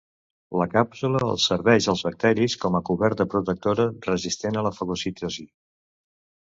La càpsula els serveixen als bacteris com a coberta protectora resistent a la fagocitosi.